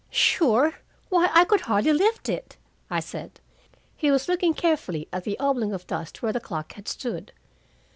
"Sure? Why, I could hardly lift it," I said. He was looking carefully at the oblong of dust where the clock had stood.